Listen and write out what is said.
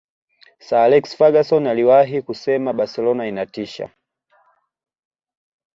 sir alex ferguson aliwahi kusema barcelona inatisha